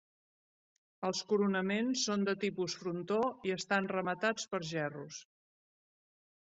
Els coronaments són de tipus frontó i estan rematats per gerros.